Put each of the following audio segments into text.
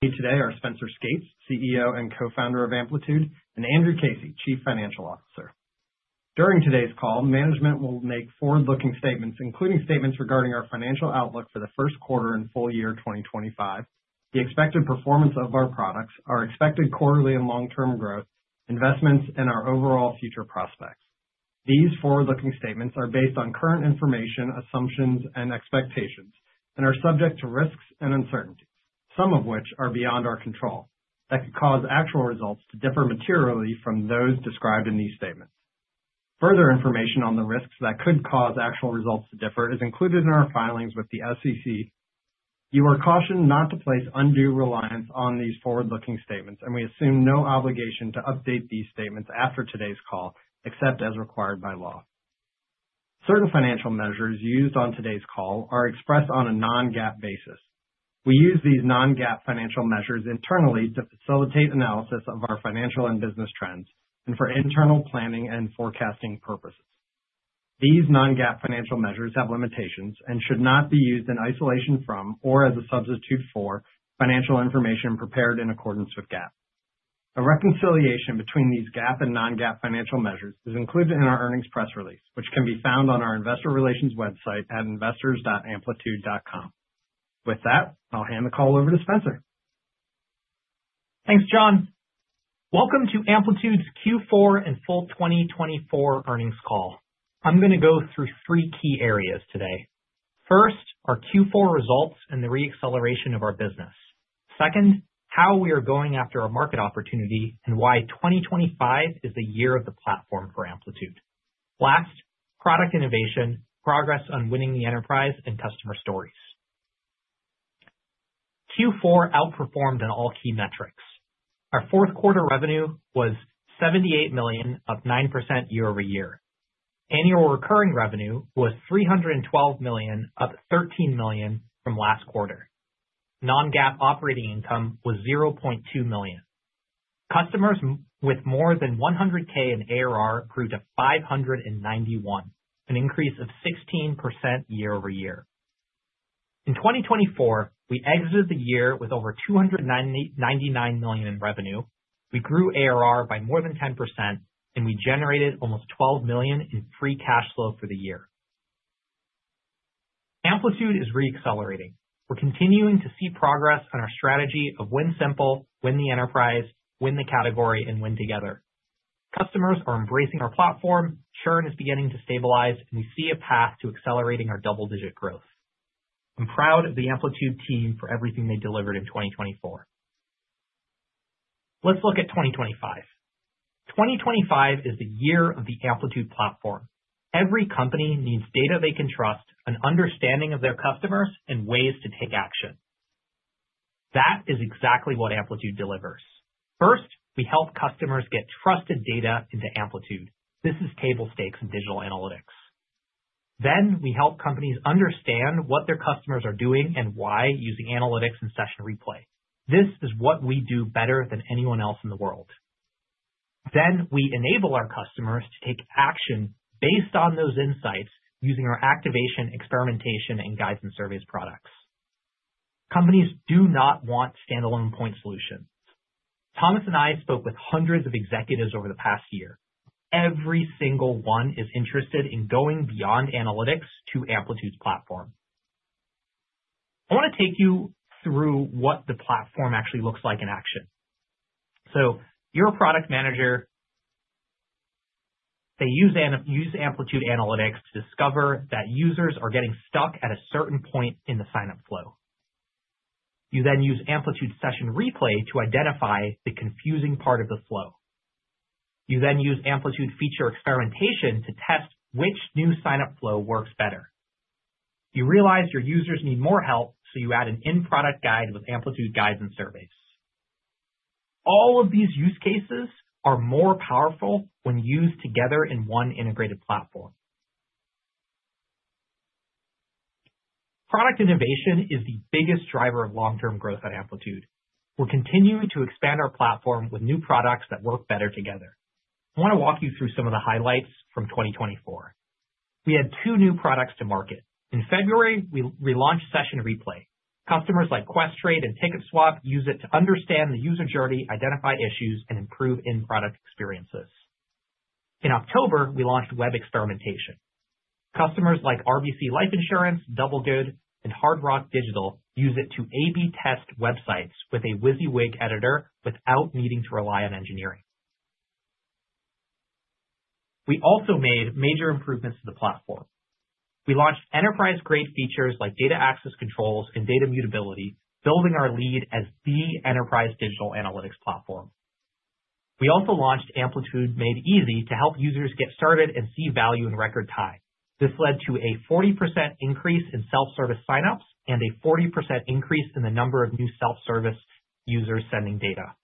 Today, our Spenser Skates, CEO and co-founder of Amplitude, and Andrew Casey, Chief Financial Officer. During today's call, management will make forward-looking statements, including statements regarding our financial outlook for the first quarter and full year 2025, the expected performance of our products, our expected quarterly and long-term growth, investments, and our overall future prospects. These forward-looking statements are based on current information, assumptions, and expectations, and are subject to risks and uncertainties, some of which are beyond our control, that could cause actual results to differ materially from those described in these statements. Further information on the risks that could cause actual results to differ is included in our filings with the SEC. You are cautioned not to place undue reliance on these forward-looking statements, and we assume no obligation to update these statements after today's call, except as required by law. Certain financial measures used on today's call are expressed on a non-GAAP basis. We use these non-GAAP financial measures internally to facilitate analysis of our financial and business trends and for internal planning and forecasting purposes. These non-GAAP financial measures have limitations and should not be used in isolation from or as a substitute for financial information prepared in accordance with GAAP. A reconciliation between these GAAP and non-GAAP financial measures is included in our earnings press release, which can be found on our investor relations website at investors.amplitude.com. With that, I'll hand the call over to Spenser. Thanks, John. Welcome to Amplitude's Q4 and full 2024 earnings call. I'm going to go through three key areas today. First, our Q4 results and the re-acceleration of our business. Second, how we are going after a market opportunity and why 2025 is the year of the platform for Amplitude. Last, product innovation, progress on winning the enterprise, and customer stories. Q4 outperformed in all key metrics. Our fourth quarter revenue was $78 million, up 9% year-over-year. Annual recurring revenue was $312 million, up $13 million from last quarter. Non-GAAP operating income was $0.2 million. Customers with more than $100K in ARR grew to 591, an increase of 16% year-over-year. In 2024, we exited the year with over $299 million in revenue. We grew ARR by more than 10%, and we generated almost $12 million in free cash flow for the year. Amplitude is re-accelerating. We're continuing to see progress on our strategy of win simple, win the enterprise, win the category, and win together. Customers are embracing our platform, churn is beginning to stabilize, and we see a path to accelerating our double-digit growth. I'm proud of the Amplitude team for everything they delivered in 2024. Let's look at 2025. 2025 is the year of the Amplitude platform. Every company needs data they can trust, an understanding of their customers, and ways to take action. That is exactly what Amplitude delivers. First, we help customers get trusted data into Amplitude. This is table stakes in digital analytics. Then we help companies understand what their customers are doing and why using analytics and session replay. This is what we do better than anyone else in the world. Then we enable our customers to take action based on those insights using our Activation, experimentation, and Guides and Surveys products. Companies do not want standalone point solutions. Thomas and I spoke with hundreds of executives over the past year. Every single one is interested in going beyond analytics to Amplitude's platform. I want to take you through what the platform actually looks like in action. So you're a product manager. They use Amplitude Analytics to discover that users are getting stuck at a certain point in the sign-up flow. You then use Amplitude Session Replay to identify the confusing part of the flow. You then use Amplitude feature experimentation to test which new sign-up flow works better. You realize your users need more help, so you add an in-product guide with Amplitude Guides and Surveys. All of these use cases are more powerful when used together in one integrated platform. Product innovation is the biggest driver of long-term growth at Amplitude. We're continuing to expand our platform with new products that work better together. I want to walk you through some of the highlights from 2024. We had two new products to market. In February, we relaunched Session Replay. Customers like Questrade and TicketSwap use it to understand the user journey, identify issues, and improve in-product experiences. In October, we launched Web Experimentation. Customers like RBC Insurance, Double Good, and Hard Rock Digital use it to A/B test websites with a WYSIWYG editor without needing to rely on engineering. We also made major improvements to the platform. We launched enterprise-grade features like data access controls and data mutability, building our lead as the enterprise digital analytics platform. We also launched Amplitude Made Easy to help users get started and see value in record time. This led to a 40% increase in self-service sign-ups and a 40% increase in the number of new self-service users sending data.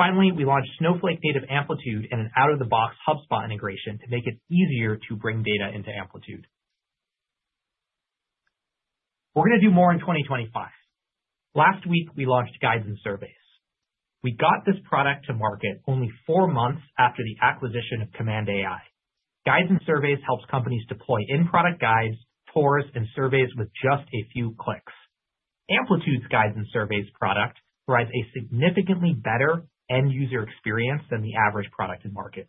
Finally, we launched Snowflake-native Amplitude and an out-of-the-box HubSpot integration to make it easier to bring data into Amplitude. We're going to do more in 2025. Last week, we launched Guides and Surveys. We got this product to market only four months after the acquisition of Command AI. Guides and Surveys help companies deploy in-product guides, tours, and surveys with just a few clicks. Amplitude's Guides and Surveys product provides a significantly better end-user experience than the average product in market.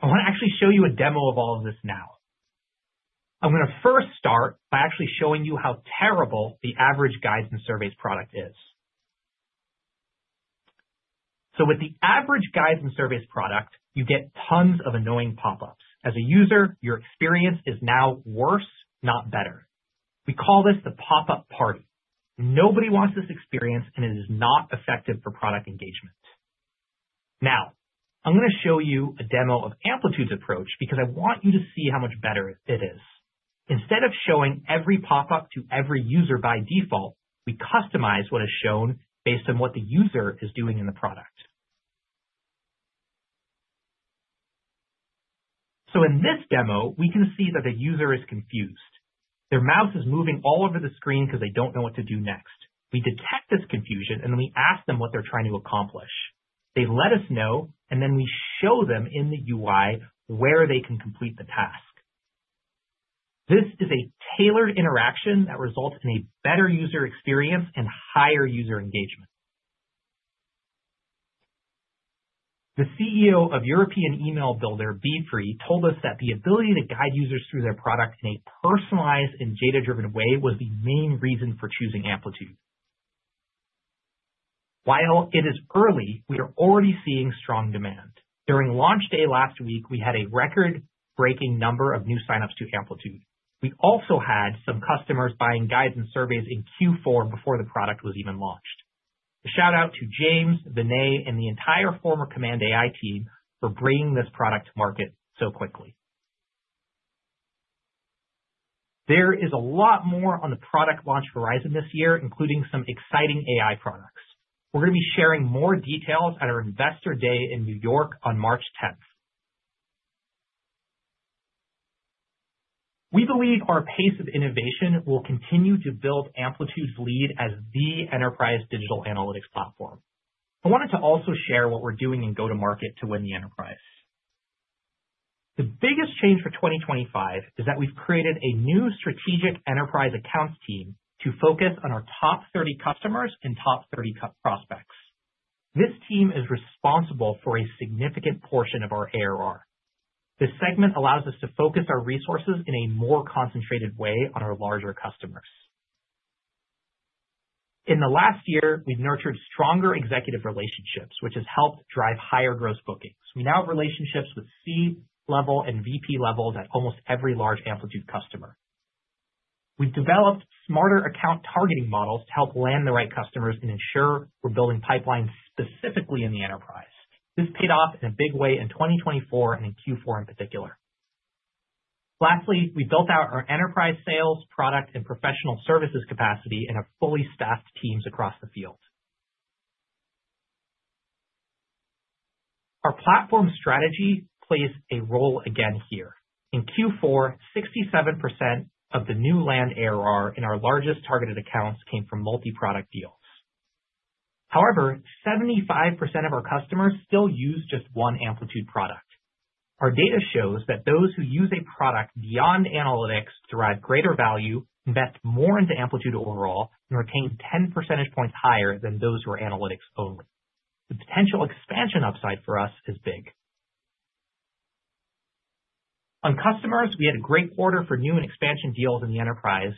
I want to actually show you a demo of all of this now. I'm going to first start by actually showing you how terrible the average Guides and Surveys product is. So with the average Guides and Surveys product, you get tons of annoying pop-ups. As a user, your experience is now worse, not better. We call this the pop-up party. Nobody wants this experience, and it is not effective for product engagement. Now, I'm going to show you a demo of Amplitude's approach because I want you to see how much better it is. Instead of showing every pop-up to every user by default, we customize what is shown based on what the user is doing in the product. So in this demo, we can see that the user is confused. Their mouse is moving all over the screen because they don't know what to do next. We detect this confusion, and then we ask them what they're trying to accomplish. They let us know, and then we show them in the UI where they can complete the task. This is a tailored interaction that results in a better user experience and higher user engagement. The CEO of European email builder, Beefree, told us that the ability to guide users through their product in a personalized and data-driven way was the main reason for choosing Amplitude. While it is early, we are already seeing strong demand. During launch day last week, we had a record-breaking number of new sign-ups to Amplitude. We also had some customers buying guides and surveys in Q4 before the product was even launched. A shout-out to James, Vinay, and the entire former Command AI team for bringing this product to market so quickly. There is a lot more on the product launch horizon this year, including some exciting AI products. We're going to be sharing more details at our investor day in New York on March 10th. We believe our pace of innovation will continue to build Amplitude's lead as the enterprise digital analytics platform. I wanted to also share what we're doing in go-to-market to win the enterprise. The biggest change for 2025 is that we've created a new strategic enterprise accounts team to focus on our top 30 customers and top 30 prospects. This team is responsible for a significant portion of our ARR. This segment allows us to focus our resources in a more concentrated way on our larger customers. In the last year, we've nurtured stronger executive relationships, which has helped drive higher gross bookings. We now have relationships with C-level and VP levels at almost every large Amplitude customer. We've developed smarter account targeting models to help land the right customers and ensure we're building pipelines specifically in the enterprise. This paid off in a big way in 2024 and in Q4 in particular. Lastly, we built out our enterprise sales, product, and professional services capacity in our fully staffed teams across the field. Our platform strategy plays a role again here. In Q4, 67% of the new land ARR in our largest targeted accounts came from multi-product deals. However, 75% of our customers still use just one Amplitude product. Our data shows that those who use a product beyond analytics derive greater value, invest more into Amplitude overall, and retain 10 percentage points higher than those who are analytics only. The potential expansion upside for us is big. On customers, we had a great quarter for new and expansion deals in the enterprise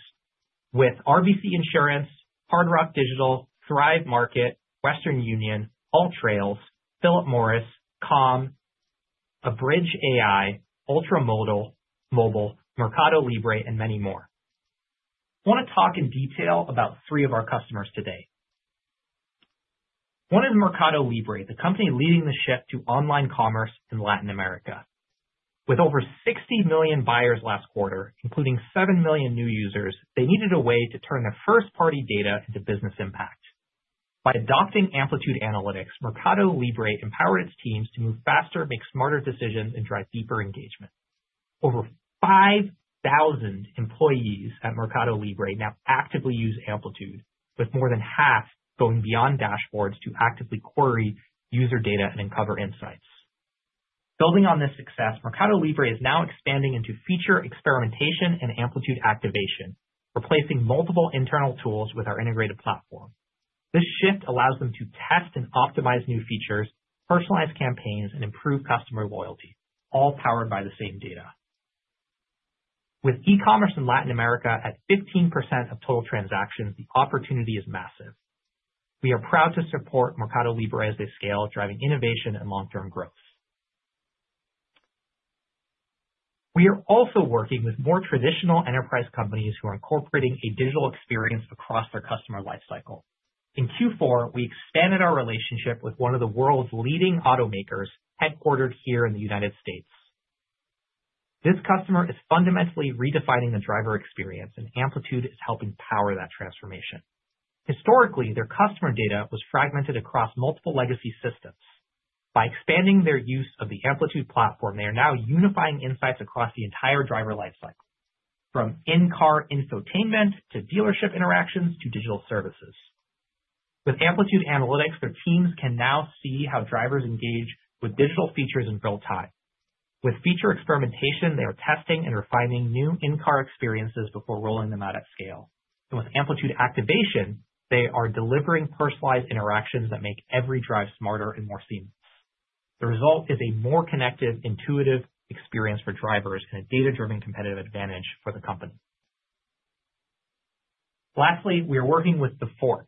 with RBC Insurance, Hard Rock Digital, Thrive Market, Western Union, AllTrails, Philip Morris, Calm, Abridge AI, Ultra Mobile, Mercado Libre, and many more. I want to talk in detail about three of our customers today. One is Mercado Libre, the company leading the shift to online commerce in Latin America. With over 60 million buyers last quarter, including seven million new users, they needed a way to turn their first-party data into business impact. By adopting Amplitude Analytics, Mercado Libre empowered its teams to move faster, make smarter decisions, and drive deeper engagement. Over 5,000 employees at Mercado Libre now actively use Amplitude, with more than half going beyond dashboards to actively query user data and uncover insights. Building on this success, Mercado Libre is now expanding into feature experimentation and Amplitude Activation, replacing multiple internal tools with our integrated platform. This shift allows them to test and optimize new features, personalize campaigns, and improve customer loyalty, all powered by the same data. With e-commerce in Latin America at 15% of total transactions, the opportunity is massive. We are proud to support Mercado Libre as they scale, driving innovation and long-term growth. We are also working with more traditional enterprise companies who are incorporating a digital experience across their customer lifecycle. In Q4, we expanded our relationship with one of the world's leading automakers headquartered here in the United States. This customer is fundamentally redefining the driver experience, and Amplitude is helping power that transformation. Historically, their customer data was fragmented across multiple legacy systems. By expanding their use of the Amplitude platform, they are now unifying insights across the entire driver lifecycle, from in-car infotainment to dealership interactions to digital services. With Amplitude Analytics, their teams can now see how drivers engage with digital features in real time. With feature experimentation, they are testing and refining new in-car experiences before rolling them out at scale. And with Amplitude Activation, they are delivering personalized interactions that make every drive smarter and more seamless. The result is a more connected, intuitive experience for drivers and a data-driven competitive advantage for the company. Lastly, we are working with TheFork,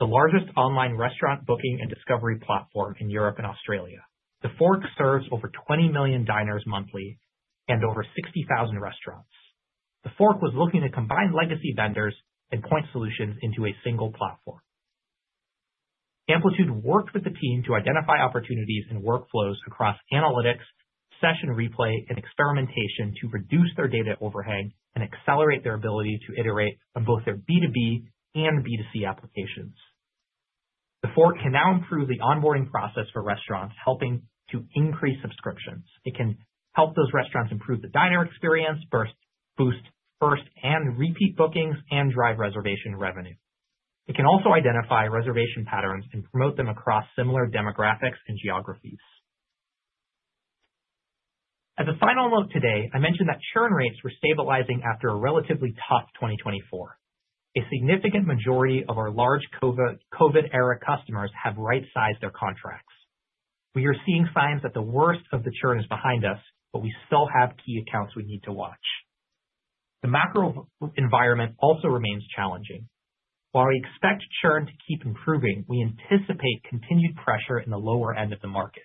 the largest online restaurant booking and discovery platform in Europe and Australia. TheFork serves over 20 million diners monthly and over 60,000 restaurants. TheFork was looking to combine legacy vendors and point solutions into a single platform. Amplitude worked with the team to identify opportunities and workflows across analytics, session replay, and experimentation to reduce their data overhang and accelerate their ability to iterate on both their B2B and B2C applications. TheFork can now improve the onboarding process for restaurants, helping to increase subscriptions. It can help those restaurants improve the diner experience, boost first and repeat bookings, and drive reservation revenue. It can also identify reservation patterns and promote them across similar demographics and geographies. As a final note today, I mentioned that churn rates were stabilizing after a relatively tough 2024. A significant majority of our large COVID-era customers have right-sized their contracts. We are seeing signs that the worst of the churn is behind us, but we still have key accounts we need to watch. The macro environment also remains challenging. While we expect churn to keep improving, we anticipate continued pressure in the lower end of the market.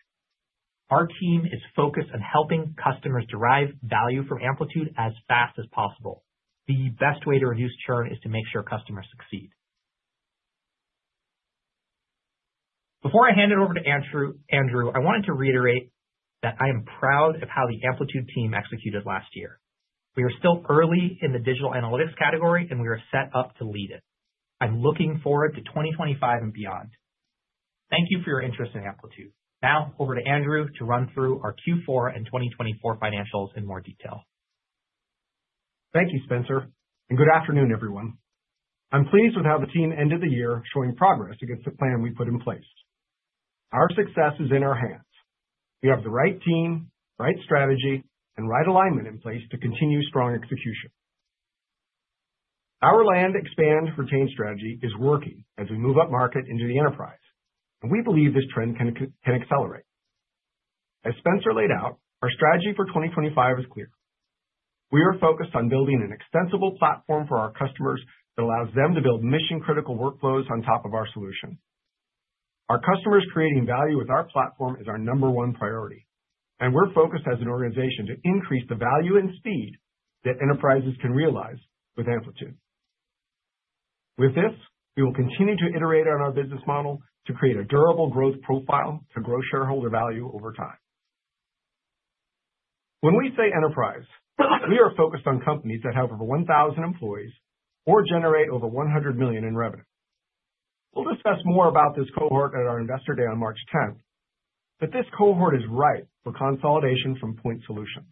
Our team is focused on helping customers derive value from Amplitude as fast as possible. The best way to reduce churn is to make sure customers succeed. Before I hand it over to Andrew, I wanted to reiterate that I am proud of how the Amplitude team executed last year. We are still early in the digital analytics category, and we are set up to lead it. I'm looking forward to 2025 and beyond. Thank you for your interest in Amplitude. Now, over to Andrew to run through our Q4 and 2024 financials in more detail. Thank you, Spenser, and good afternoon, everyone. I'm pleased with how the team ended the year showing progress against the plan we put in place. Our success is in our hands. We have the right team, right strategy, and right alignment in place to continue strong execution. Our land expand-retain strategy is working as we move up market into the enterprise, and we believe this trend can accelerate. As Spenser laid out, our strategy for 2025 is clear. We are focused on building an extensible platform for our customers that allows them to build mission-critical workflows on top of our solution. Our customers creating value with our platform is our number one priority, and we're focused as an organization to increase the value and speed that enterprises can realize with Amplitude. With this, we will continue to iterate on our business model to create a durable growth profile to grow shareholder value over time. When we say enterprise, we are focused on companies that have over 1,000 employees or generate over $100 million in revenue. We'll discuss more about this cohort at our Investor Day on March 10th, but this cohort is ripe for consolidation from point solutions.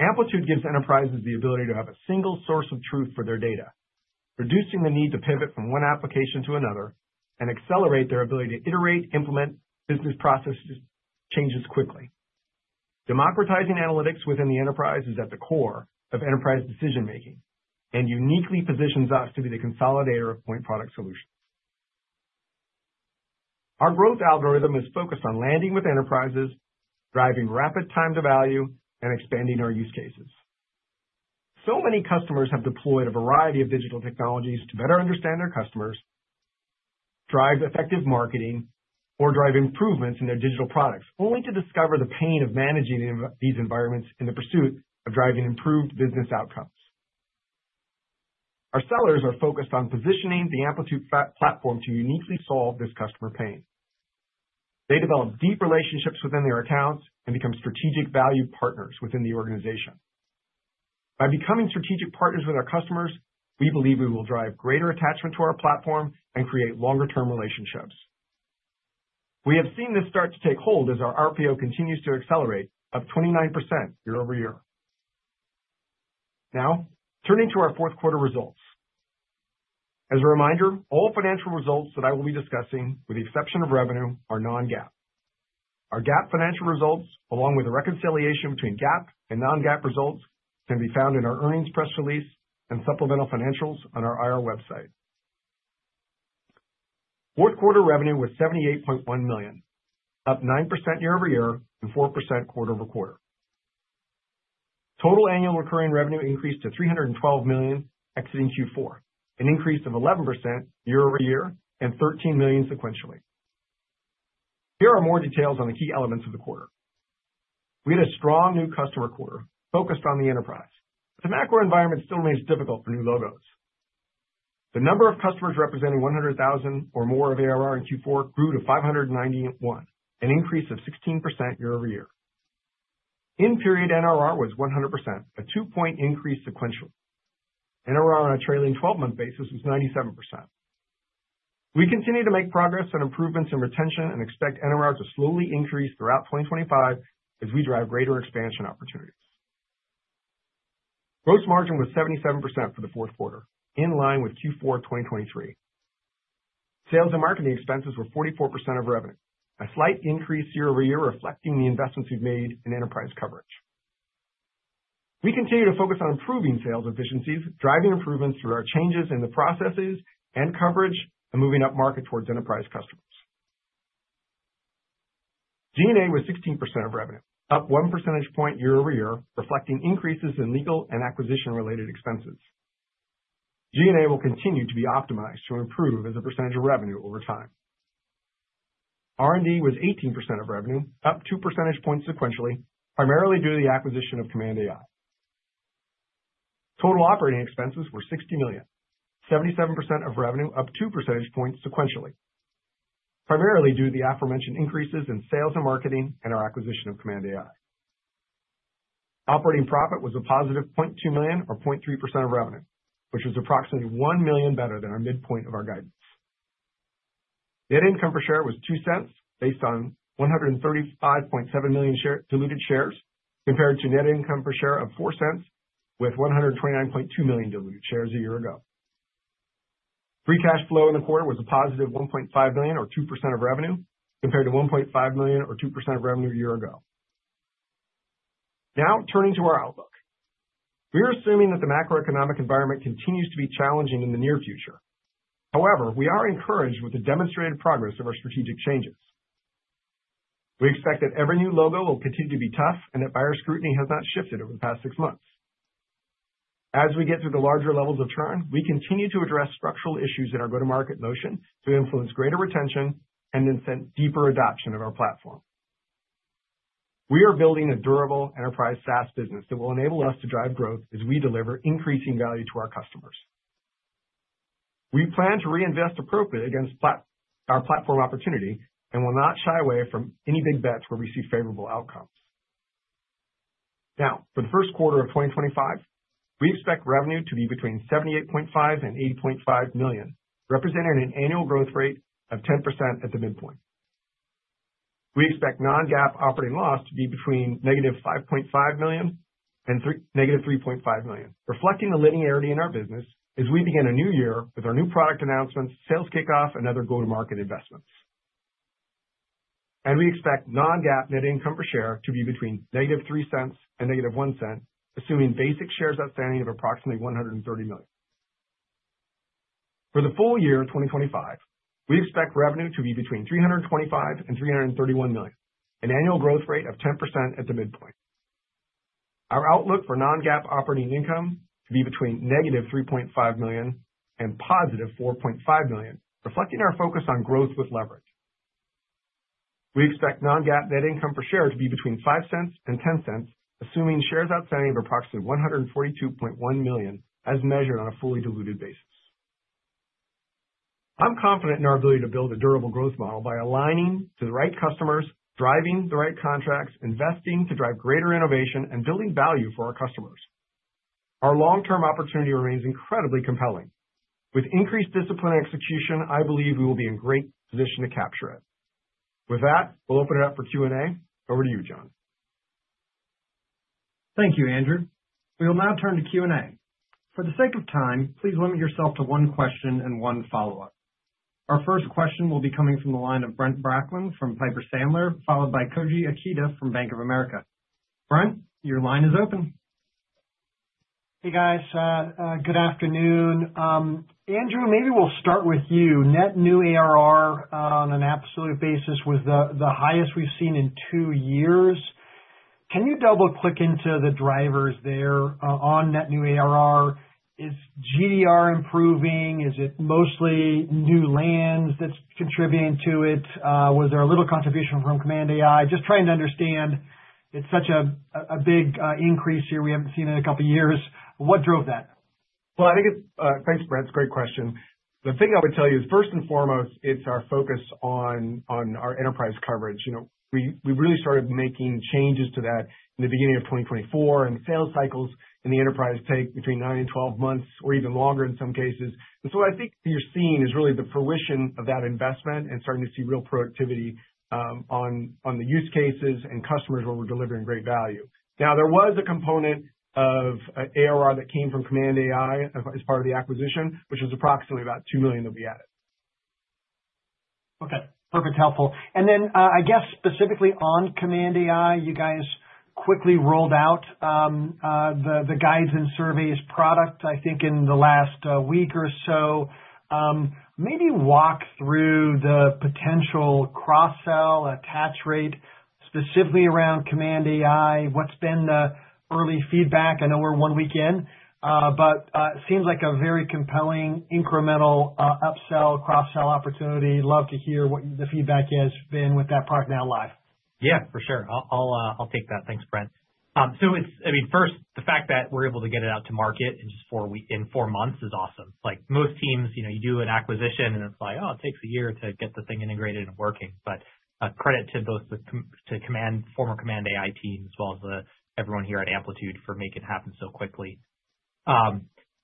Amplitude gives enterprises the ability to have a single source of truth for their data, reducing the need to pivot from one application to another and accelerate their ability to iterate, implement business process changes quickly. Democratizing analytics within the enterprise is at the core of enterprise decision-making and uniquely positions us to be the consolidator of point product solutions. Our growth algorithm is focused on landing with enterprises, driving rapid time to value, and expanding our use cases. So many customers have deployed a variety of digital technologies to better understand their customers, drive effective marketing, or drive improvements in their digital products, only to discover the pain of managing these environments in the pursuit of driving improved business outcomes. Our sellers are focused on positioning the Amplitude platform to uniquely solve this customer pain. They develop deep relationships within their accounts and become strategic value partners within the organization. By becoming strategic partners with our customers, we believe we will drive greater attachment to our platform and create longer-term relationships. We have seen this start to take hold as our RPO continues to accelerate up 29% year-over-year. Now, turning to our fourth quarter results. As a reminder, all financial results that I will be discussing, with the exception of revenue, are non-GAAP. Our GAAP financial results, along with the reconciliation between GAAP and non-GAAP results, can be found in our earnings press release and supplemental financials on our IR website. Fourth quarter revenue was $78.1 million, up 9% year-over-year and 4% quarter over quarter. Total annual recurring revenue increased to $312 million exiting Q4, an increase of 11% year-over-year and $13 million sequentially. Here are more details on the key elements of the quarter. We had a strong new customer quarter focused on the enterprise, but the macro environment still remains difficult for new logos. The number of customers representing 100,000 or more of ARR in Q4 grew to 591, an increase of 16% year-over-year. In-period NRR was 100%, a two-point increase sequentially. NRR on a trailing 12-month basis was 97%. We continue to make progress on improvements in retention and expect NRR to slowly increase throughout 2025 as we drive greater expansion opportunities. Gross margin was 77% for the fourth quarter, in line with Q4 2023. Sales and marketing expenses were 44% of revenue, a slight increase year-over-year reflecting the investments we've made in enterprise coverage. We continue to focus on improving sales efficiencies, driving improvements through our changes in the processes and coverage, and moving up market towards enterprise customers. G&A was 16% of revenue, up one percentage point year-over-year, reflecting increases in legal and acquisition-related expenses. G&A will continue to be optimized to improve as a percentage of revenue over time. R&D was 18% of revenue, up two percentage points sequentially, primarily due to the acquisition of Command AI. Total operating expenses were $60 million, 77% of revenue, up two percentage points sequentially, primarily due to the aforementioned increases in sales and marketing and our acquisition of Command AI. Operating profit was a positive $0.2 million, or 0.3% of revenue, which was approximately $1 million better than our midpoint of our guidance. Net income per share was $0.02 based on 135.7 million diluted shares compared to net income per share of $0.04 with 129.2 million diluted shares a year ago. Free cash flow in the quarter was a positive $1.5 million, or 2% of revenue, compared to $1.5 million, or 2% of revenue a year ago. Now, turning to our outlook. We are assuming that the macroeconomic environment continues to be challenging in the near future. However, we are encouraged with the demonstrated progress of our strategic changes. We expect that every new logo will continue to be tough and that buyer scrutiny has not shifted over the past six months. As we get through the larger levels of churn, we continue to address structural issues in our go-to-market motion to influence greater retention and incent deeper adoption of our platform. We are building a durable enterprise SaaS business that will enable us to drive growth as we deliver increasing value to our customers. We plan to reinvest appropriately against our platform opportunity and will not shy away from any big bets where we see favorable outcomes. Now, for the first quarter of 2025, we expect revenue to be between $78.5 million-$80.5 million, representing an annual growth rate of 10% at the midpoint. We expect non-GAAP operating loss to be between -$5.5 million and -$3.5 million, reflecting the linearity in our business as we begin a new year with our new product announcements, sales kickoff, and other go-to-market investments. We expect non-GAAP net income per share to be between -$0.03 and -$0.01, assuming basic shares outstanding of approximately $130 million. For the full year of 2025, we expect revenue to be between $325 million and $331 million, an annual growth rate of 10% at the midpoint. Our outlook for non-GAAP operating income to be between -$3.5 million and +$4.5 million, reflecting our focus on growth with leverage. We expect non-GAAP net income per share to be between $0.05 and $0.10, assuming shares outstanding of approximately 142.1 million as measured on a fully diluted basis. I'm confident in our ability to build a durable growth model by aligning to the right customers, driving the right contracts, investing to drive greater innovation, and building value for our customers. Our long-term opportunity remains incredibly compelling. With increased discipline and execution, I believe we will be in great position to capture it. With that, we'll open it up for Q&A. Over to you, John. Thank you, Andrew. We will now turn to Q&A. For the sake of time, please limit yourself to one question and one follow-up. Our first question will be coming from the line of Brent Bracelin from Piper Sandler, followed by Koji Ikeda from Bank of America. Brent, your line is open. Hey, guys. Good afternoon. Andrew, maybe we'll start with you. Net new ARR on an absolute basis was the highest we've seen in two years. Can you double-click into the drivers there on net new ARR? Is GDR improving? Is it mostly new lands that's contributing to it? Was there a little contribution from Command AI? Just trying to understand. It's such a big increase here we haven't seen in a couple of years. What drove that? Thanks, Brent. It's a great question. The thing I would tell you is, first and foremost, it's our focus on our enterprise coverage. We really started making changes to that in the beginning of 2024, and sales cycles in the enterprise take between nine and 12 months or even longer in some cases. And so what I think you're seeing is really the fruition of that investment and starting to see real productivity on the use cases and customers where we're delivering great value. Now, there was a component of ARR that came from Command AI as part of the acquisition, which was approximately about $2 million that we added. Okay. Perfect. Helpful. And then I guess specifically on Command AI, you guys quickly rolled out the Guides and Surveys product, I think, in the last week or so. Maybe walk through the potential cross-sell attach rate specifically around Command AI. What's been the early feedback? I know we're one week in, but it seems like a very compelling incremental upsell, cross-sell opportunity. Love to hear what the feedback has been with that product now live. Yeah, for sure. I'll take that. Thanks, Brent. So I mean, first, the fact that we're able to get it out to market in just four months is awesome. Like most teams, you do an acquisition, and it's like, "Oh, it takes a year to get the thing integrated and working." But credit to both the former Command AI team as well as everyone here at Amplitude for making it happen so quickly.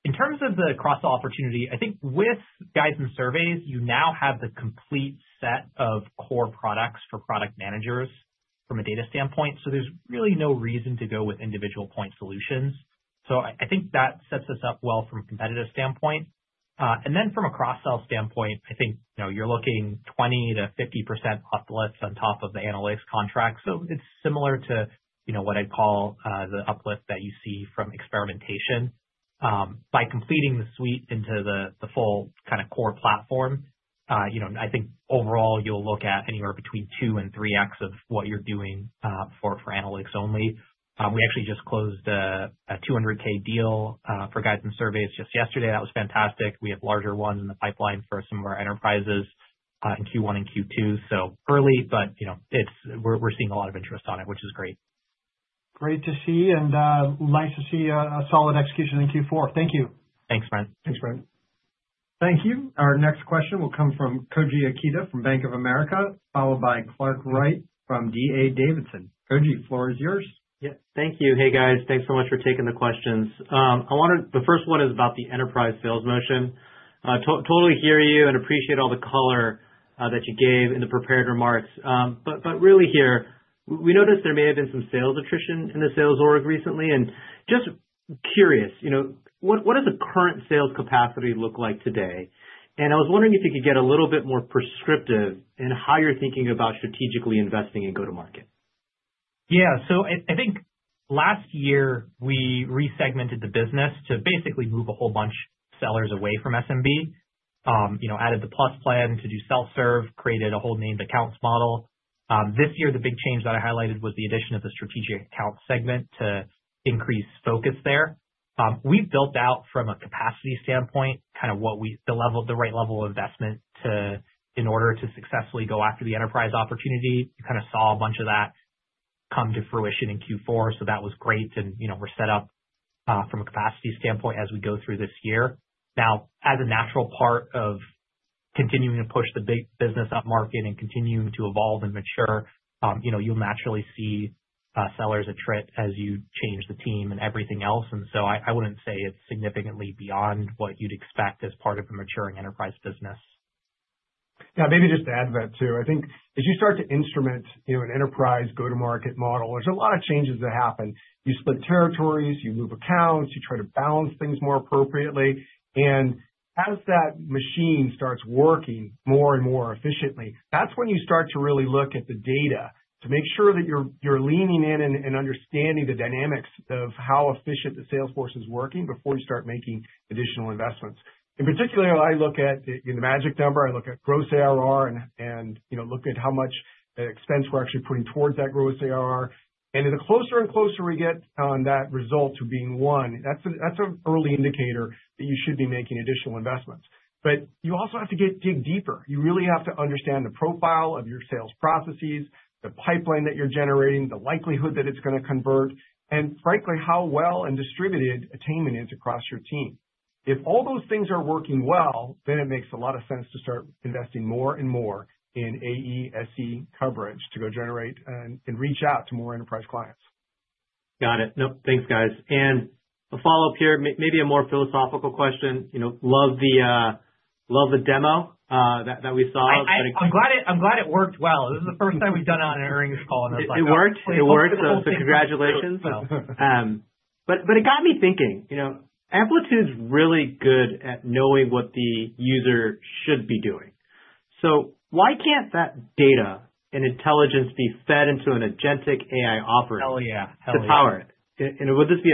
In terms of the cross-sell opportunity, I think with Guides and Surveys, you now have the complete set of core products for product managers from a data standpoint. So there's really no reason to go with individual point solutions. So I think that sets us up well from a competitive standpoint. And then from a cross-sell standpoint, I think you're looking 20%-50% uplifts on top of the analytics contract. So it's similar to what I'd call the uplift that you see from experimentation. By completing the suite into the full kind of core platform, I think overall you'll look at anywhere between 2x and 3x of what you're doing for analytics only. We actually just closed a $200,000 deal for guides and surveys just yesterday. That was fantastic. We have larger ones in the pipeline for some of our enterprises in Q1 and Q2. So early, but we're seeing a lot of interest on it, which is great. Great to see and nice to see a solid execution in Q4. Thank you. Thanks, Brent. Thanks, Brent. Thank you. Our next question will come from Koji Ikeda from Bank of America, followed by Clark Wright from DA Davidson. Koji, floor is yours. Yeah. Thank you. Hey, guys. Thanks so much for taking the questions. The first one is about the enterprise sales motion. Totally hear you and appreciate all the color that you gave in the prepared remarks. But really here, we noticed there may have been some sales attrition in the sales org recently. And just curious, what does the current sales capacity look like today? And I was wondering if you could get a little bit more prescriptive in how you're thinking about strategically investing in go-to-market. Yeah. So I think last year we resegmented the business to basically move a whole bunch of sellers away from SMB, added the plus plan to do self-serve, created a whole named accounts model. This year, the big change that I highlighted was the addition of the strategic account segment to increase focus there. We've built out from a capacity standpoint kind of the right level of investment in order to successfully go after the enterprise opportunity. You kind of saw a bunch of that come to fruition in Q4. So that was great. And we're set up from a capacity standpoint as we go through this year. Now, as a natural part of continuing to push the big business upmarket and continuing to evolve and mature, you'll naturally see sellers attrition as you change the team and everything else. And so I wouldn't say it's significantly beyond what you'd expect as part of a maturing enterprise business. Yeah. Maybe just to add to that too. I think as you start to instrument an enterprise go-to-market model, there's a lot of changes that happen. You split territories, you move accounts, you try to balance things more appropriately, and as that machine starts working more and more efficiently, that's when you start to really look at the data to make sure that you're leaning in and understanding the dynamics of how efficient the sales force is working before you start making additional investments. In particular, I look at the magic number. I look at gross ARR and look at how much expense we're actually putting towards that gross ARR, and as closer and closer we get on that result to being one, that's an early indicator that you should be making additional investments, but you also have to dig deeper. You really have to understand the profile of your sales processes, the pipeline that you're generating, the likelihood that it's going to convert, and frankly, how well attainment is distributed across your team. If all those things are working well, then it makes a lot of sense to start investing more and more in AE/SE coverage to go generate and reach out to more enterprise clients. Got it. Nope. Thanks, guys. A follow-up here, maybe a more philosophical question. Love the demo that we saw. I'm glad it worked well. This is the first time we've done an earnings call in this lifetime. It worked. It worked. So congratulations. It got me thinking. Amplitude's really good at knowing what the user should be doing. Why can't that data and intelligence be fed into an agentic AI offering to power it? And would this be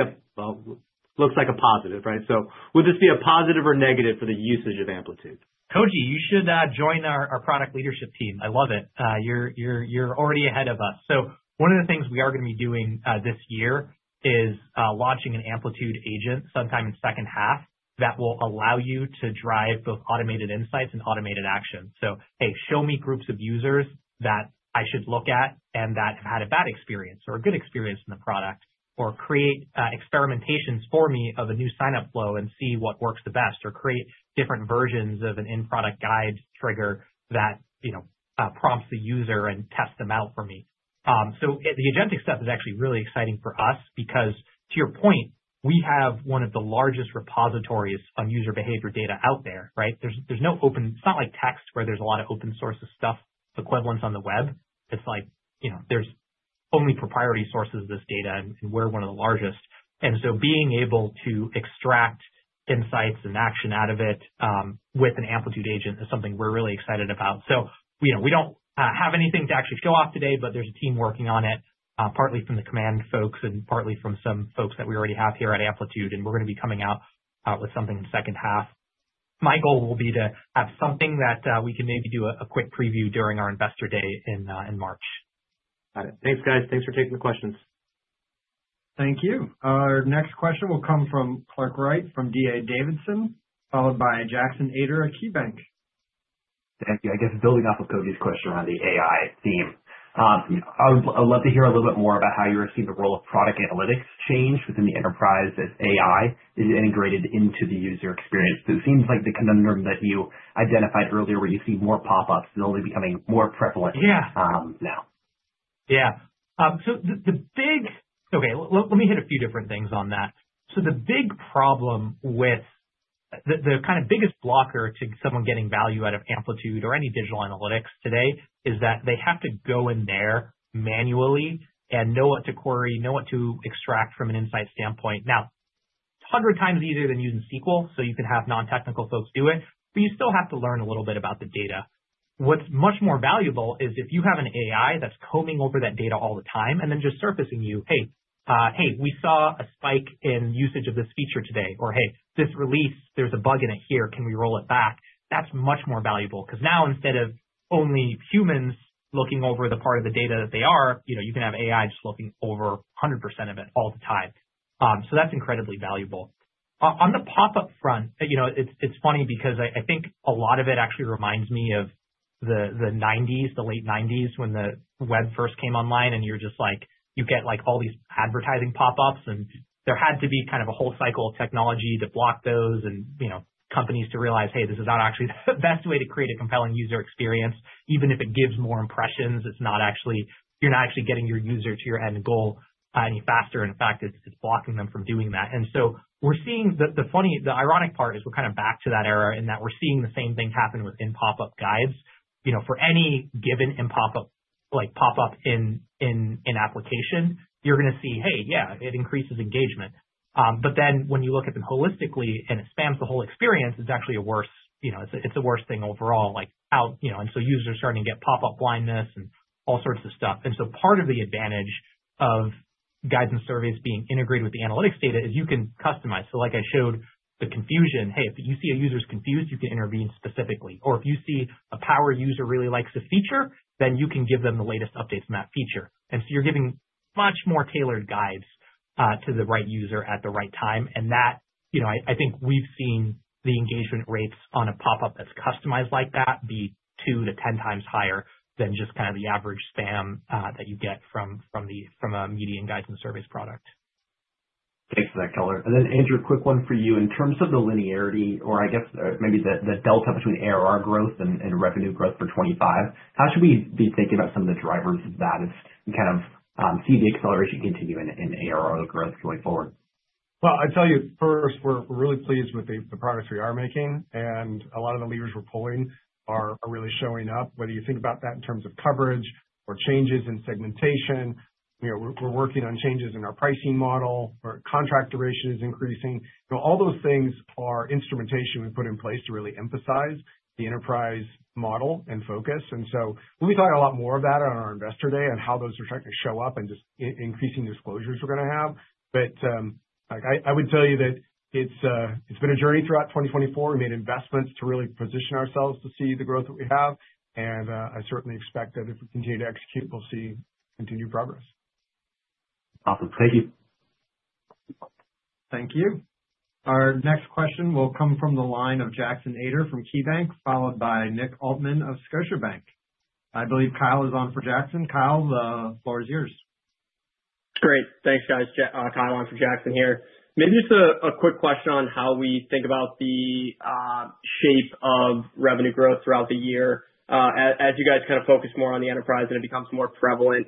a positive, right? So would this be a positive or negative for the usage of Amplitude? Koji, you should join our product leadership team. I love it. You're already ahead of us. So one of the things we are going to be doing this year is launching an Amplitude Agent sometime in the second half that will allow you to drive both automated insights and automated actions. So, hey, show me groups of users that I should look at and that have had a bad experience or a good experience in the product, or create experimentations for me of a new sign-up flow and see what works the best, or create different versions of an in-product guide trigger that prompts the user and tests them out for me. So the agentic stuff is actually really exciting for us because, to your point, we have one of the largest repositories on user behavior data out there, right? There's no open. It's not like text where there's a lot of open-source stuff equivalents on the web. It's like there's only proprietary sources of this data, and we're one of the largest. And so being able to extract insights and action out of it with an Amplitude agent is something we're really excited about. So we don't have anything to actually show off today, but there's a team working on it, partly from the Command folks and partly from some folks that we already have here at Amplitude. And we're going to be coming out with something in the second half. My goal will be to have something that we can maybe do a quick preview during our investor day in March. Got it. Thanks, guys. Thanks for taking the questions. Thank you. Our next question will come from Clark Wright from DA Davidson, followed by Jackson Ader at KeyBanc. Thank you. I guess building off of Koji's question around the AI theme, I'd love to hear a little bit more about how you're seeing the role of product analytics change within the enterprise as AI is integrated into the user experience. It seems like the conundrum that you identified earlier where you see more pop-ups is only becoming more prevalent now. Yeah. Yeah. So the big, okay, let me hit a few different things on that. So the big problem with the kind of biggest blocker to someone getting value out of Amplitude or any digital analytics today is that they have to go in there manually and know what to query, know what to extract from an insight standpoint. Now, 100 times easier than using SQL, so you can have non-technical folks do it, but you still have to learn a little bit about the data. What's much more valuable is if you have an AI that's combing over that data all the time and then just surfacing you, "Hey, we saw a spike in usage of this feature today," or, "Hey, this release, there's a bug in it here. Can we roll it back?" That's much more valuable because now instead of only humans looking over the part of the data that they are, you can have AI just looking over 100% of it all the time. So that's incredibly valuable. On the pop-up front, it's funny because I think a lot of it actually reminds me of the late '90s when the web first came online and you're just like you get all these advertising pop-ups and there had to be kind of a whole cycle of technology to block those and companies to realize, "Hey, this is not actually the best way to create a compelling user experience." Even if it gives more impressions, you're not actually getting your user to your end goal any faster. In fact, it's blocking them from doing that. And so we're seeing the ironic part is we're kind of back to that era in that we're seeing the same thing happen with in-pop-up guides. For any given in-pop-up in application, you're going to see, "Hey, yeah, it increases engagement." But then when you look at them holistically and it spans the whole experience, it's actually a worse, it's a worse thing overall. And so users are starting to get pop-up blindness and all sorts of stuff. And so part of the advantage of guides and surveys being integrated with the analytics data is you can customize. So like I showed the confusion, "Hey, if you see a user's confused, you can intervene specifically." Or if you see a power user really likes a feature, then you can give them the latest updates on that feature. And so you're giving much more tailored guides to the right user at the right time. I think we've seen the engagement rates on a pop-up that's customized like that be 2x-10x higher than just kind of the average spam that you get from a median Guides and Surveys product. Thanks for that, colo. And then, Andrew, quick one for you. In terms of the linearity or I guess maybe the delta between ARR growth and revenue growth for 2025, how should we be thinking about some of the drivers of that if we kind of see the acceleration continue in ARR growth going forward? Well, I'll tell you first, we're really pleased with the products we are making. And a lot of the levers we're pulling are really showing up. Whether you think about that in terms of coverage or changes in segmentation, we're working on changes in our pricing model, where contract duration is increasing. All those things are instrumentation we put in place to really emphasize the enterprise model and focus. And so we talked a lot more about it on our Investor Day and how those are trying to show up and just increasing disclosures we're going to have. But I would tell you that it's been a journey throughout 2024. We made investments to really position ourselves to see the growth that we have. And I certainly expect that if we continue to execute, we'll see continued progress. Awesome. Thank you. Thank you. Our next question will come from the line of Jackson Ader from KeyBank, followed by Nick Altman of Scotiabank. I believe Kyle is on for Jackson. Kyle, the floor is yours. Great. Thanks, guys. Kyle on for Jackson here. Maybe just a quick question on how we think about the shape of revenue growth throughout the year. As you guys kind of focus more on the enterprise and it becomes more prevalent,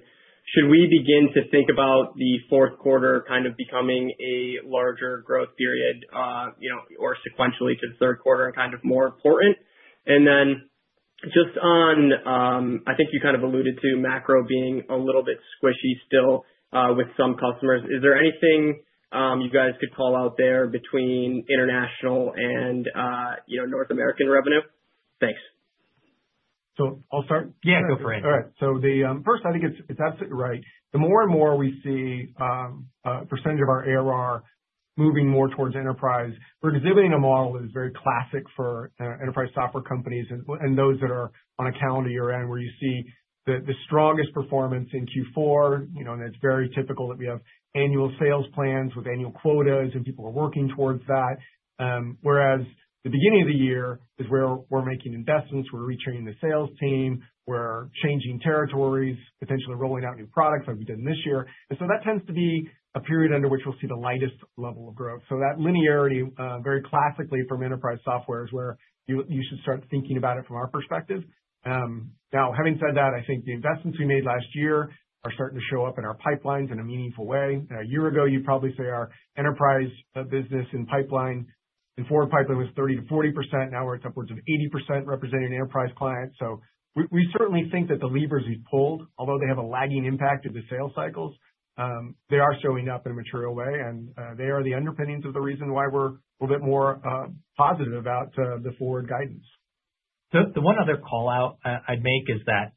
should we begin to think about the fourth quarter kind of becoming a larger growth period or sequentially to the third quarter and kind of more important? And then just on, I think you kind of alluded to macro being a little bit squishy still with some customers. Is there anything you guys could call out there between international and North American revenue? Thanks. So I'll start. Yeah, go for it. All right. So first, I think it's absolutely right. The more and more we see a percentage of our ARR moving more towards enterprise, we're exhibiting a model that is very classic for enterprise software companies and those that are on account or year-end where you see the strongest performance in Q4. It's very typical that we have annual sales plans with annual quotas, and people are working towards that. Whereas the beginning of the year is where we're making investments, we're retraining the sales team, we're changing territories, potentially rolling out new products like we did this year. So that tends to be a period under which we'll see the lightest level of growth. So that linearity, very classically from enterprise software, is where you should start thinking about it from our perspective. Now, having said that, I think the investments we made last year are starting to show up in our pipelines in a meaningful way. A year ago, you'd probably say our enterprise business in forward pipeline was 30%-40%. Now we're at upwards of 80% representing enterprise clients. So we certainly think that the levers we've pulled, although they have a lagging impact to the sales cycles, they are showing up in a material way. And they are the underpinnings of the reason why we're a little bit more positive about the forward guidance. The one other callout I'd make is that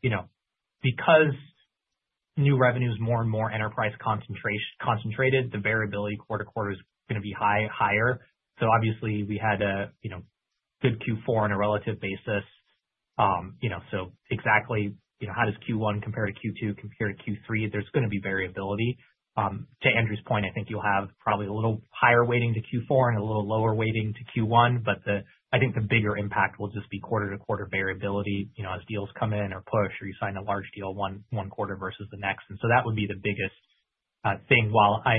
because new revenue is more and more enterprise concentrated, the variability quarter to quarter is going to be higher. So obviously, we had a good Q4 on a relative basis. So exactly how does Q1 compare to Q2 compared to Q3? There's going to be variability. To Andrew's point, I think you'll have probably a little higher weighting to Q4 and a little lower weighting to Q1. But I think the bigger impact will just be quarter to quarter variability as deals come in or push or you sign a large deal one quarter versus the next. And so that would be the biggest thing. While I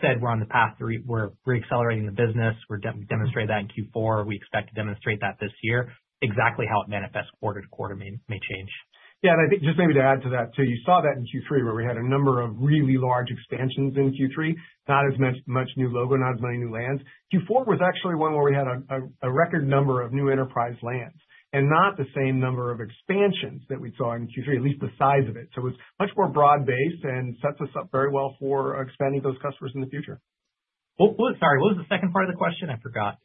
said we're on the path to reaccelerating the business, we demonstrate that in Q4. We expect to demonstrate that this year. Exactly how it manifests quarter to quarter may change. Yeah. And I think just maybe to add to that too, you saw that in Q3 where we had a number of really large expansions in Q3, not as much new logo, not as many new lands. Q4 was actually one where we had a record number of new enterprise lands and not the same number of expansions that we saw in Q3, at least the size of it. So it's much more broad-based and sets us up very well for expanding those customers in the future. Sorry, what was the second part of the question? I forgot.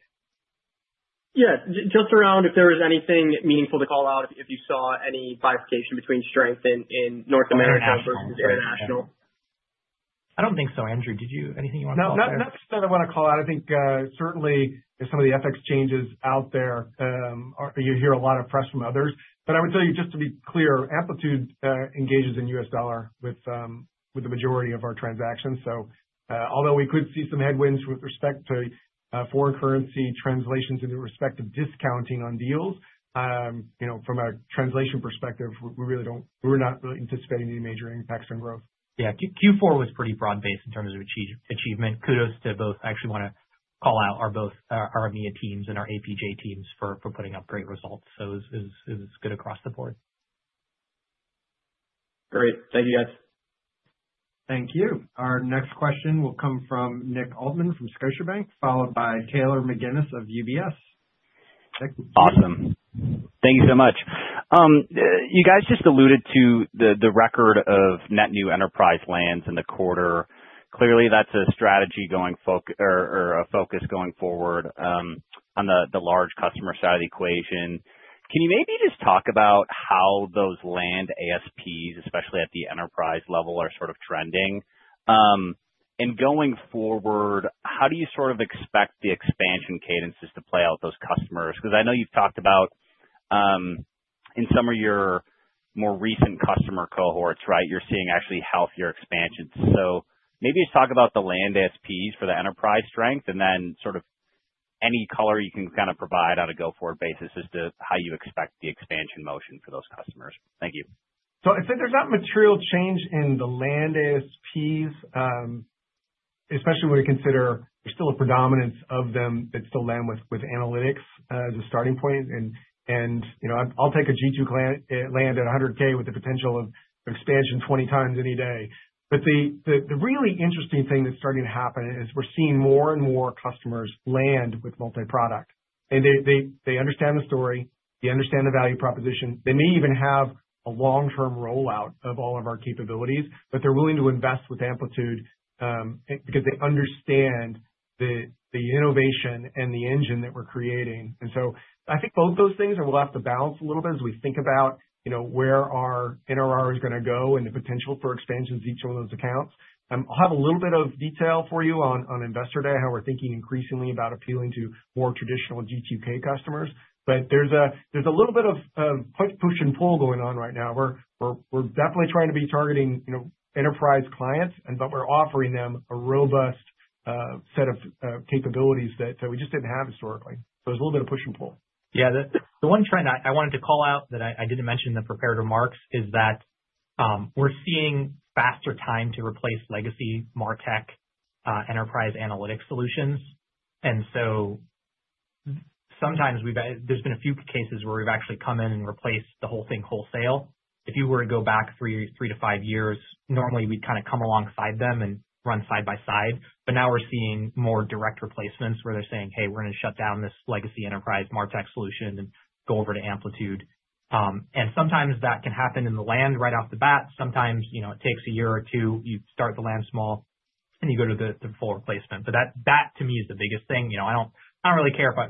Yeah. Just around if there was anything meaningful to call out if you saw any bifurcation between strength in North America versus international. I don't think so. Andrew, did you have anything you wanted to call out? Not necessarily that I want to call out. I think certainly some of the FX changes out there, you hear a lot of press from others. But I would tell you, just to be clear, Amplitude engages in U.S. dollar with the majority of our transactions. So although we could see some headwinds with respect to foreign currency translations and with respect to discounting on deals, from a translation perspective, we were not really anticipating any major impacts on growth. Yeah. Q4 was pretty broad-based in terms of achievement. Kudos to both. I actually want to call out our EMEA teams and our APJ teams for putting up great results. So it was good across the board. Great. Thank you, guys. Thank you. Our next question will come from Nick Altman from Scotiabank, followed by Taylor McGinnis of UBS. Awesome. Thank you so much. You guys just alluded to the record of net new enterprise lands in the quarter. Clearly, that's a strategy or a focus going forward on the large customer side of the equation. Can you maybe just talk about how those land ASPs, especially at the enterprise level, are sort of trending? And going forward, how do you sort of expect the expansion cadences to play out with those customers? Because I know you've talked about in some of your more recent customer cohorts, right, you're seeing actually healthier expansions. So maybe just talk about the land ASPs for the enterprise strength and then sort of any color you can kind of provide on a go-forward basis as to how you expect the expansion motion for those customers. Thank you. So I'd say there's not material change in the land ASPs, especially when we consider there's still a predominance of them that still land with analytics as a starting point. And I'll take a G2K land at $100K with the potential of expansion 20X any day. But the really interesting thing that's starting to happen is we're seeing more and more customers land with multi-product. And they understand the story. They understand the value proposition. They may even have a long-term rollout of all of our capabilities, but they're willing to invest with Amplitude because they understand the innovation and the engine that we're creating, and so I think both those things are left to balance a little bit as we think about where our NRR is going to go and the potential for expansions in each one of those accounts. I'll have a little bit of detail for you on Investor Day, how we're thinking increasingly about appealing to more traditional G2K customers, but there's a little bit of push and pull going on right now. We're definitely trying to be targeting enterprise clients, but we're offering them a robust set of capabilities that we just didn't have historically, so there's a little bit of push and pull. Yeah. The one trend I wanted to call out that I didn't mention in the prepared remarks is that we're seeing faster time to replace legacy MarTech enterprise analytics solutions. And so sometimes there's been a few cases where we've actually come in and replaced the whole thing wholesale. If you were to go back three to five years, normally we'd kind of come alongside them and run side by side. But now we're seeing more direct replacements where they're saying, "Hey, we're going to shut down this legacy enterprise MarTech solution and go over to Amplitude." And sometimes that can happen in the land right off the bat. Sometimes it takes a year or two. You start the land small and you go to the full replacement. But that, to me, is the biggest thing. I don't really care if I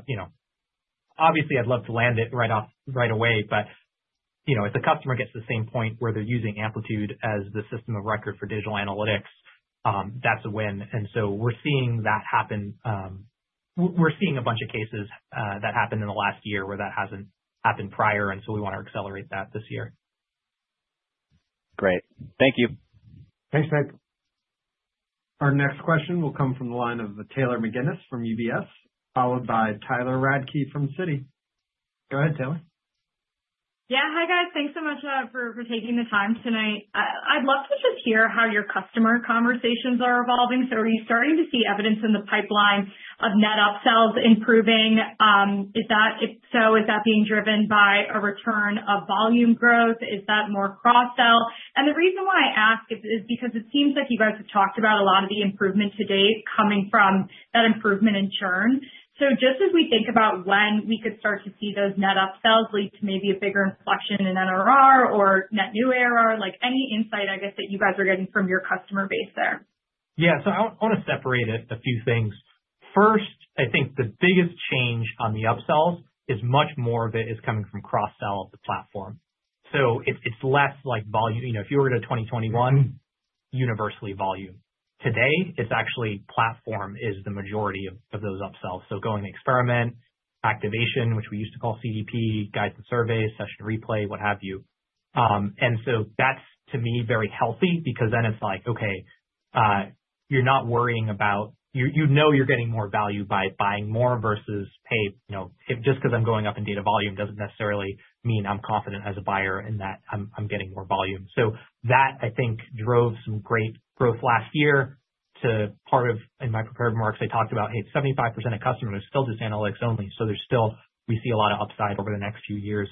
obviously, I'd love to land it right away, but if the customer gets to the same point where they're using Amplitude as the system of record for digital analytics, that's a win. And so we're seeing that happen. We're seeing a bunch of cases that happened in the last year where that hasn't happened prior. And so we want to accelerate that this year. Great. Thank you. Thanks, Nick. Our next question will come from the line of Taylor McGinnis from UBS, followed by Tyler Radke from Citi. Go ahead, Taylor. Yeah. Hi, guys. Thanks so much for taking the time tonight. I'd love to just hear how your customer conversations are evolving. So are you starting to see evidence in the pipeline of net upsells improving? If so, is that being driven by a return of volume growth? Is that more cross-sell? And the reason why I ask is because it seems like you guys have talked about a lot of the improvement to date coming from that improvement in churn. So just as we think about when we could start to see those net upsells lead to maybe a bigger inflection in NRR or net new ARR, any insight, I guess, that you guys are getting from your customer base there? Yeah. So I want to separate a few things. First, I think the biggest change on the upsells is much more of it is coming from cross-sell of the platform. So it's less like volume. If you were to 2021, universally volume. Today, it's actually platform is the majority of those upsells. So going Experiment, Activation, which we used to call CDP, Guides and Surveys, Session Replay, what have you. And so that's, to me, very healthy because then it's like, "Okay, you're not worrying about you know you're getting more value by buying more versus hey, just because I'm going up in data volume doesn't necessarily mean I'm confident as a buyer in that I'm getting more volume." So that, I think, drove some great growth last year, too. Part of in my prepared remarks, I talked about, "Hey, 75% of customers are still just analytics only." So we see a lot of upside over the next few years